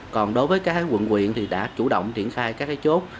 còn đối với các quận quyện thì đã chủ động triển khai các chốt